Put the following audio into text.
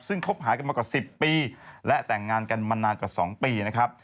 ซึ่งคบหากันมากว่า๑๐ปีและแต่งงานกันมานานกว่า๒ปีนะครับ